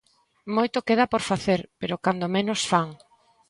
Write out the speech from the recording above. Moito queda por facer, pero cando menos fan.